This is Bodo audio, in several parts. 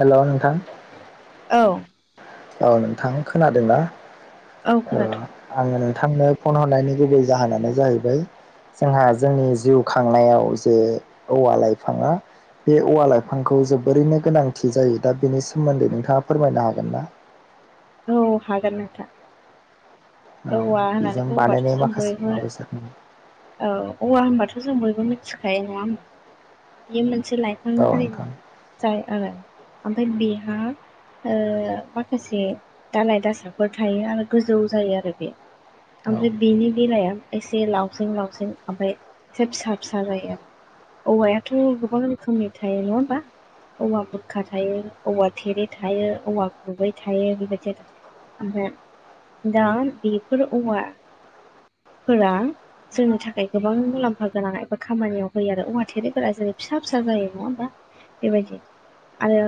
हेल' नोंथां। औ। औ नोंथां खोनादोंना? औ ओ खोनादों आङो नोंथांनो फन हरनायनि गुबै जाहोनानो जाहैबाय जोंहा जोंनि जिउ खांनायाव जे औवा लाइफाङा बे औवा लाइफांखौ जोबोरैनो गोनांथि जायो दा बेनि सोमोन्दै नोंथाङा फोरमायनो हागोन ना? औ हागोन नोंथां। औ औवा होननानै बेजों बुंबाथ' बानायनाय जों माखासे बयबो मुवा बेसादनि औ औवा होनबाथ' जों बयबो मिथिखायो नङा होनबा बियो मोनसे लाइ फां औ हारिनि नोंथां जाय आरो ओमफाय बेहा ओ माखासे दालाय दासाफोर थायो आरो गोजौ जायो आरो। बे औ ओमफ्राय बेनि बेराया एसे लावसें लावसें ओमफाय एसे फिसा फिसा जायो आरो। औवायाथ' गोबां रोखोमनि थायो नङा होमबा? औवा बोखा थायो औवा थेरे थायो औवा गुबै थायो बेबायदि आरो। ओमफाय दा बेफोर औवाफोरा जोंनि थाखाय गोबां मुलाम्फा गोनां एबा खामानियाव होयो आरो औवा थेरेफोरा जेरै फिसा फिसा जायो नङा होमबा? बेबायदि आरो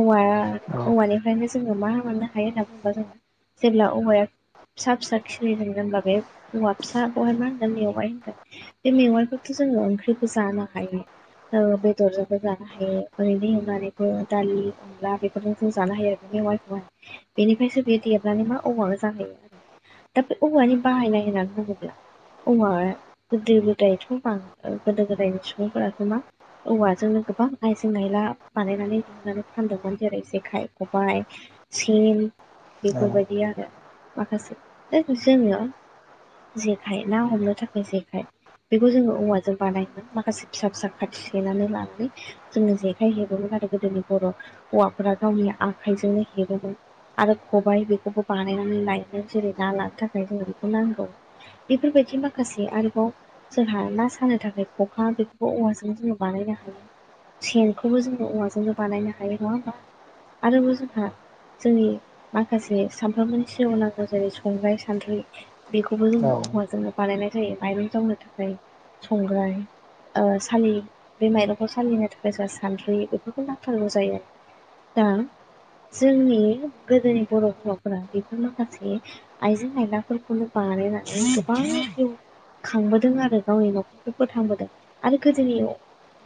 औवाया औ औवानिफ्रायनो जोङो मा मोननो हायो होनना बुङोबा जों जेब्ला औवाया फिसा फिसा खिलिदों होनब्ला बे औवा फिसाखौहाय मा होनगोन मेवाय होनगोन। बे मेवाइखोथ' जोङो ओंख्रिखो जानो हायो। ओ बेदरजोंबो जानो हायो ओरैनो एवनानैबो दालि अनला बेफोरजों जों जानो हायो आरो मेवाइखोहाय बेनिफ्रायसो बेयो देरनानै मा औवा जाहैयो। दा बे औवानि बाहायनाय होननानै बुङोब्ला औवा गोदो गोदायथ' बां ओ गोदो गोदायनि सुबुंफोरा मा औवाजोंनो गोबां आइजें आयला बानायनानै दिहुननानै फानदोंमोन जेरै जेखाइ खबाय सिन बेफोरबायदि आरो। माखासे ओ जोङो जेखाइ ना हमनो थाखाय जेखाइ। बेखौ जोङो औवाजों बानायोमोन माखासे फिसा फिसा खाथि सैनानै लानानै जोङो जेखाइ हेबोमोन आरो गोदोनि बर' हौवाफोरा गावनि आखाइजोंनो हेबोमोन। आरो खबाय बेखौबो बानायनानै लायोमोन। जेरै ना लानो थाखाय जोंनो बेखौ नांगौ। बेफोरबायदि माखासे आरोबाव जोंहा ना सानो थाखाय ख'खा बेखौबो औवाजों जोङो बानायनो हायो। सेनखोबो जोङो औवाजोंनो बानायनो हायो नङा होमबा? आरोबाव जोंहा जोंनि माखासे सामफ्रोमबोनि जेरै संग्राय सान्द्रि बेखौबो औ जोंनो औवाजोंनो बानायनाय जायो माइरं जावनो थाखाय। संग्राय ओ सालि बे माइरंखौ सालिनो थाखाय जा सानद्रि बेफोरखौ नांथारगौ जायो आरो। दा जोंनि गोदोनि बर' हौवाफोरा बेफोरनो माखासे आइजें आयलाफोरखौनो बानायनानै गोबां जिउ खांबोदों आरो गावनि न'खरखौ फोथांबोदों आरो गोदोनियाव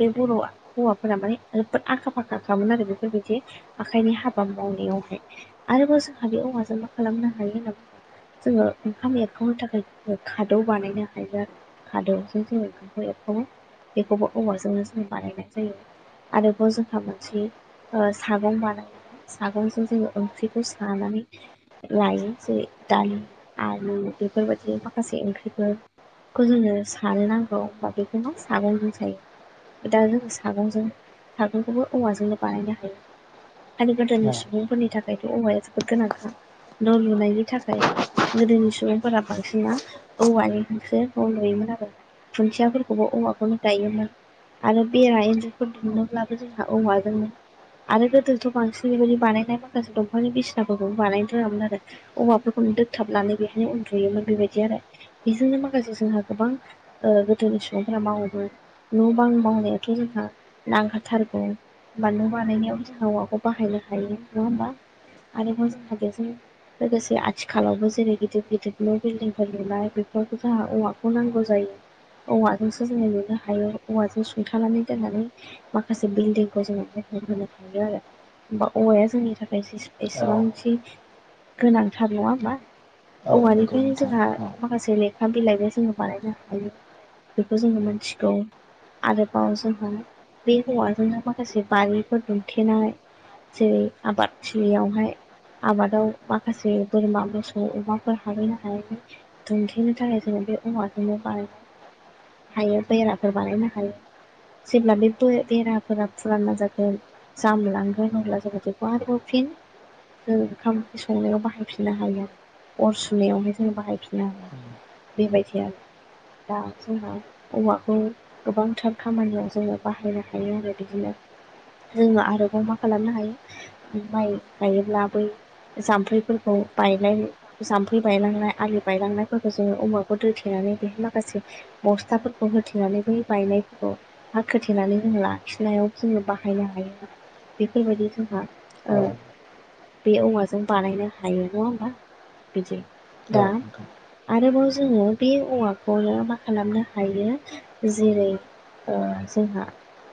बे बर'आ हौवाफोरा माने जोबोद आखा फाखाखामोन आरो बेफोरबादि। आखाइनि हाबा मावनायावहाय। आरोबाव जोंहा बे औवाजों मा खालामनो हायो होनना बुंबा जोङो ओंखाम एरखावनो थाखाय जोङो खादौ बानायनो हायो आरो खादौजों जोङो ओंखामखौ एरखङो बेखौबो औवाजोंनो जोंनो बानायनाय जायो आरोबाव जोंहा मोनसे सागं बानाया सागजों जोङो ओंख्रिखौ सानानै लायो जेरै दालि आरोलु बेफोरबायदि माखासे ओंख्रिफोर खौ जोङो सानो नांगौ बेखौनो सागंजों सायो दा जोङो सागंजों सागंखौबो औवाजोंनो बानायनो हायो बेनिखायनो गोदोलनि सुबुंफोरनि थाखायथ' औवाया जोबोद गोनांखा न' लुनायनि थाखाय गोदोनि सुबुंफोरा बांसिना औवायखौसो न' नुयोमोन आरो खुन्थियाफोरखौबो औवाखौनो गायोमोन आरो बेरा इन्जुरफोर दुमनोब्लाबो जोंहा औवाजोंनो आरो गोदोथ' बांसिन बे बायदि बानायनाय माखासे दंफांनि बिसिनाफोरखौबो बानायदों रोंडा़मोनआरो औवाफोरखौ दोगथाबनानै बेहायनो उन्दुयोमोन बेबायदि आरो बेजोंनो माखासे जोंहा गोबां गोदोनि सुबुंफोरा मावोमोन न' बां मावनायाथ' जोंहा नांखाथारगौ बानल' बानायनायाव जोंहा हौवाखौ बाहायनो हायो नङा होमबा आरोबाव जोंहा बेजों लोगोसे आथिखालावबो जेरै गिदिर गिदिर न' बिल्डिंफोर लुनाय बेफोरावबो जोंहा औवाखौ नांगौ जायो औवाजोंसो जोङो लुनो हायो औवाजों सुंथानानै दोननानै माखासे बिल्डिंखौ जोङो महद होनो हायो आरो होमब्ला औवाया जोंनि थाखाय औ एसेबांनो सौ गोनांथार नङा होमबा औ नंगौ औवानिफ्रायनो नोंथां जोंहा औ माखासेे लेखा बिलाइबो जोङो बानायनो हायो बेखौ जोङो मोनथिगौ आरोबाव जोंहा बे हौवाजोंनो माखासे बारिफोर दुमथेनाय जेरै आबादथिलियावहाय आबाद आव माखासे बोरमा मोसौ अमाफोर हाबहैनो हायैनि दुमथेनो थाखाय जोङो बे औवाजोंनो बानायो हायो बेराफोर बानायनो हायो जेब्ला बे बेराफोरा फुराना जागोन जामलांगोन होनब्ला जोङो बेखौ आरोबाव फिन ओंखाम ओंख्रि संनायाव बाहायफिननो हायो आरो अर सुनायावहाय जोंझो बाहायफिननो हायो बेबायदि आरो दा जोंहा औवाखौ गोबांथार खामानियाव जोङो बाहायनो हायो आरो बिदिनो जोङो आरोबाव मा खालामनो हायो माइ गायोब्ला बै जाम्फैफोरखौ बायनाय जाम्फै बायलांनाय आलि बायलांनायफोरखौ जोङो अमाखौ दथेनानै बेहाय माखासे बस्टाफोरखौ होथेनानै बै बायनायफोरखौ हा खोथेनानै जों लाखिनायाव जोङो बाहायनो हायो बेफोरबायदि जोंहा ओ औ। [unintelligible] बे औवाजों बानायनो हायो नङा होमबा बिदि दा औ नोंथां आरोबाव जोङो बे औवाखौनो मा खालामनो हायो जेरै ओ जोंहा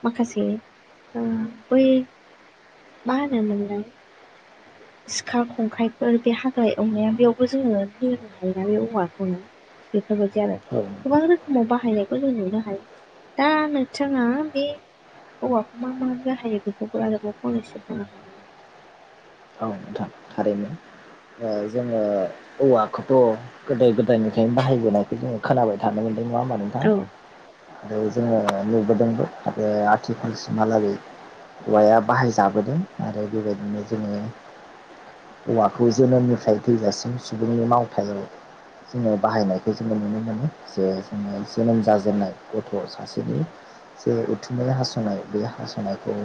माखासे ओ बै मा होनो मोनलाय सिखा खंखाइफोर बे हाग्रा एवनाया बेयावबो जोङो दोनो हायोना बे औवाखौनो बेफोरबायदि आरो औ औ गोबां रोखोमाव बाहायनायखौ जों नुनो हायो दा नोंथाङा बे औवाखौ मा मा बाहायो बेखौ आरोबाव फंनैसे बुंनो हागौ औ नोंथां थारैनो जोङो औवाखौथ' गोदो गोदायनिफ्रायनो बाहायबोनायखौ जोङो खोनाबाय थानो मोनदों नङा होमबा नोंथां हागोन औ आरो जोङो नुबोदोंबो आरो आथिखालसिमहालागै औवाया बाहायजाबोदों आरो बेबायदिनो जोङो औवाखौ जोनोमनिफ्राय थैजासिम सुबुंनि मावथायाव जोङो बाहायनायखौ जोङो नुनो मोनो जे जोङो जोनोम जाजेननाय गथ' सासेनि जे उथुमाय हास'नाय बे हास'नायखौ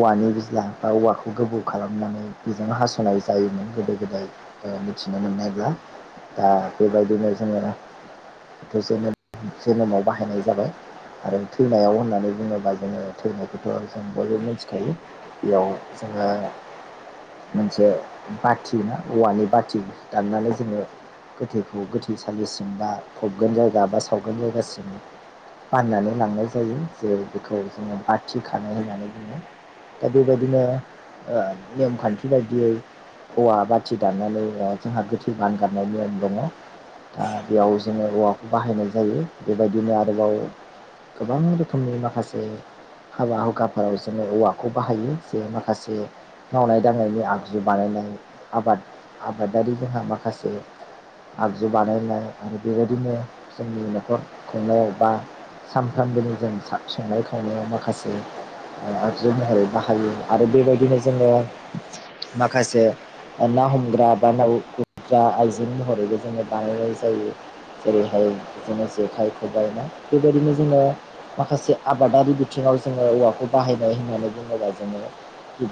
औवानि बिज्ला बा औवाखौ गोबौ खालामनानै बेजों हास'नाय जायोमोन गोदो गोदाय ओ मिथिनो मोननायब्ला दा बेबायदिनो जोङोना बेखौ जोनोम जोनोमाव बाहायनाय जाबाय आरो थैनायाव होननानै बुङोबा जोङो थैनायखौथ' जों बयबो मिथिखायो बेयाव जोङो मोनसे बाथि ना औवानि बाथि दाननानै जोङो गोथैखौ गोथैसालिसिम बा फबगोन जायगा बा सावगोन जायगासिम बाननानै लांनाय जायो जेरै बेखौ जोङो बाथि खानाय होननानै बुङो। दा बेबायदिनो ओ नेमखान्थि बायदियै औवा बाथि दाननानै ओ जोंहा गोथै बानगारनाय नेम दङ। दा बेयाव जोङो औवाखौ बाहायनाय जायो बेबायदिनो आरोबाव गोबां रोखोमनि माखासे हाबा हुखाफोराव जोङो औवाखौ बाहायो जे माखासे मावनाय दांनायनि आगजु बानायनाय आबाद आबादारि जोंहा माखासे आगजु बानायनाय आरो बेबायदिनो जोंनि न'खर खुंनायाव बा सानफ्रामबोनि जों सा संनाय खावनायाव माखासे ओ आगजु महरै बाहायो आरो बेबायदिनो जोङो माखासे ना हमग्रा बा ना गुरग्रा आइजें महरैबो जोङो बानायनाय जायो। जेरैहाय जोङो जेखाइ खबाइना बेबायदिनो जोङो माखासे आबादारि बिथिङाव जोङो औवाखौ बाहायनाय होननानै बुङोब्ला जोङो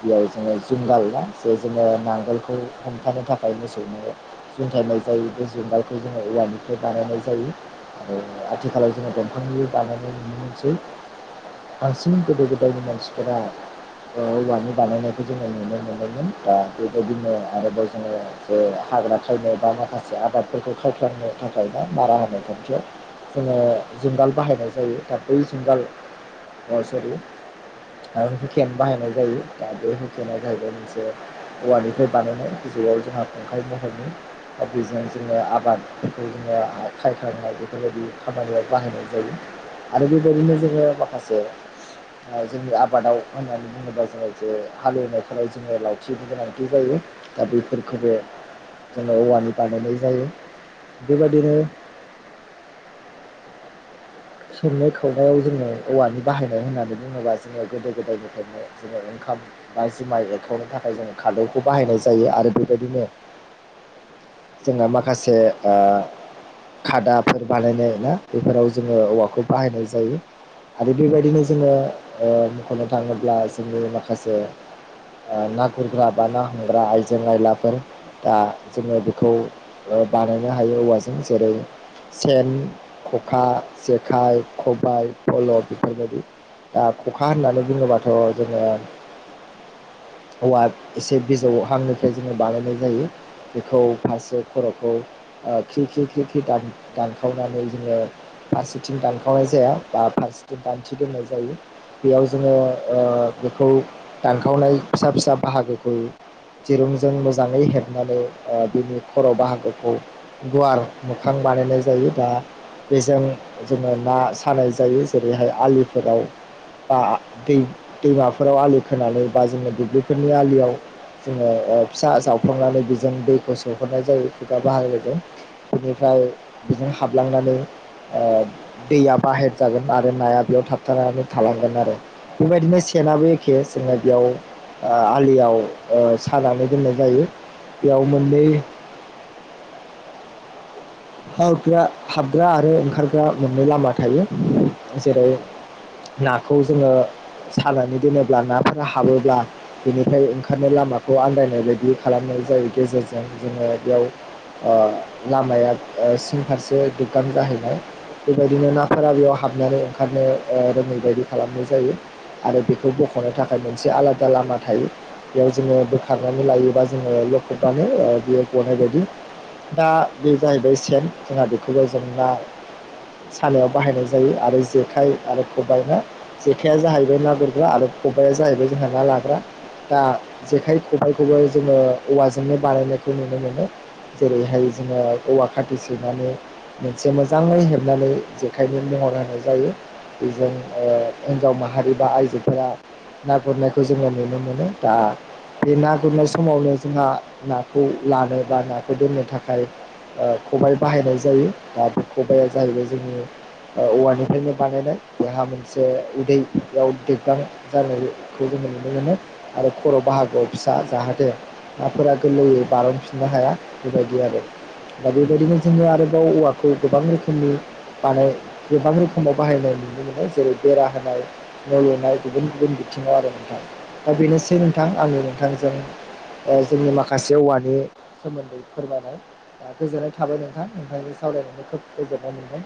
बेयाव जोङो जुंगाल ना जे जोङो नांगोलखौ हमथानो थाखाय मोसौनो जुंगायनाय जायो बे जुंगालखौ जोङो औवानिफ्राय बानायनाय जायो। आरो आथिखालाव जोङो दंफांनिबो बानायनाय नुनो मोनसै बांसिन गोदो गोदायनि मानसिफोरा ओ औवानि बानायनायखौ जोङो नुनो मोनोमोन दा बेबायदिनो आरोबाव जोङो जे हाग्रा थायनाय बा मा खासे आबादफोरखौ खावख्लांनो थाखाय ना मारा होनाय खाथियाव जोङो जुंगाल बाहायनाय जायो दा बै जुंगाल ओ सरि ओ हुखेन बाहायनाय जायो दा बे हुखेना जाहैबाय मोनसे औवानिफ्राय बानायनाय गोजौआव जोंहा खंखाइ महरनि दा बेजों जोङो आबादखौ जोङो खायखांनाय बेफोरबायदि खामानियाव बाहायनाय जायो। आरो बेबायदिनो जोङो माखासे ओ जोंनि आबादाव होननानै बुङोबा जोङो जे हालेवनायफोराव जोङो लावथिबो गोनांथि जायो दा बेफोरखौबो जोङो औवानि बानायनाय जायो बेबायदिनो संनाय खावनायाव जोङो औवानि बाहायनाय होननानै बुङोब्ला जोङो गोदो गोदायनिफ्रायनो जेरै ओंखाम बा जुमाइ एरकाउनो थाखाय जोङो खादौखौ बाहायनाय जायो आरो बेबायदिनो जोंना माखासे ओ खादाफोर बानायनाय ना बेफोराव जो ङो औवाखौ बाहायनाय जायो। आरो बेबायदिनो जोङो ओ मख'नो थाङोब्ला जोंनि माखासे ओ ना गुरग्रा बा ना हमग्रा आइजें आइलाफोर दा जोङो बेखौ ओ बानायनो हायो औवाजों जेरै- सेन खखा जेखाइ खबाय फल' बेफोरबायदि दा खखा होननानै बुङोबाथ' जोङो औवा एसे बिजौ हांनिफ्राय जोङो बानायनाय जायो। बेखौ फारसे खर'खौ ओ ख्रि ख्रि ख्रि ख्रि दान-दानखावनानै जोङो फारसेथिं दानखावनाय जाया बा फारसेथिं गान्थि दोननाय जायो। बेयाव जोङो ओ- बेखौ दानखावनाय फिसा फिसा बाहागोखौ दिरुंजों मोजाङै हेबनानै ओ बिनि खर' बाहागोखौ गुवार मोखां बानायनाय जायो दा बेजों जोङो ना सानाय जायो जेरैहाय आलिफोराव बा दै दैमाफोराव आलि खोनानै बा जोङो दुब्लिफोरनि आलियाव जोङो ओ फिसा जावफ्र्लांनानै बेजों दैखौ सोहरनाय जायो खुगा बाहागोजों बेनिफ्राय बेजों हाबलांनानै ओ दैया बाहेर जागोन आरो नाया बेयाव थाबथानानै थालांगोन आरो बेबायदिनो सेनाबो एखे जोङो बेयाव ओ आलियाव सानानै दोननाय जायो बेयाव मोननै हाबग्रा हाबग्रा आरो ओंखारग्रा मोननै लामा थायो जेरै नाखौ जोङो सानानै दोनोब्ला नाफोर हाबोब्ला बेनिफ्राय ओंखारनाय लामाखौ आन्दायनाय बायदि खालामनाय जाय गेजेरजों जोङो बेयाव ओ लामाया सिन फारसे दग्गां जाहैबाय बेबायदिनो नाफोरा बेयाव हाबनानै ओंखारनो ओ रोङै बायदि खालामनाय जायो। आरो बेखौ बख'नो थाखाय मोनसे आलादा लामा थायो। बेयाव जोङो बोखारनानै लायोबा जोङो लखबनानै बियो गनाय बायदि दा बे जाहैबाय सेन जोंहा बेखौबो जोंना सालायाव बाहायनाय जायो आरो जेखाइ आरो खबाइनाहा जेखाइाया जाहैबाय ना गोरग्रा आरो खबबाइाया जाहैबाय जोंहा ना लाग्रा दा जेखाइ खबाइखौबो जोङो औवाजोंनो बानायनायखौ नुनो मोनो। जेरैहाय जोङो औवा खाथि सनानै मोनसे मोजाङै हेबनानै जेखाइनि महर होनाय जायो। बेजों ओ हिन्जाव माहारि बा आइजोफोरा ना गुरनायखौ जोङो नुनो मोनो दा बे ना गुरनाय समावनो जोंहा नाखौ लानो बा नाखौ दोननो थाखाय ओ खबायाइ बाहायनाय जायो दा बे खबाइआ जाहैबाय जोंनि औवानिफ्रायनो बानायनाय बेहा मोनसे उदैयाव दैखां जनायखौ जोङो नुनो मोनो आरो खर' बाहागोआव फिसा जाहाथे नाफोरा गोरलैयै बारह'फिननो हाया बेबायदि आरो दा बेबायदिनो जोङो आरोबाव औवाखौ गोबां रोखोमनि बानाय गोबां रोखोमाव बाहायनाय नुनो मोनो जेरै बेरा होनाय माव लुनाय गुबुन गुबुन बिथिङाव आरो नोंथां दा बेनोसै नोंथां आंनि नोंथांजों ओ जोङो माखासे औवानि सोमोन्दै फोरमायनाय गोजोननाय थाबाय नोंथां नोंथाजों सावरायनानै खोब गोजोननाय मोनदों।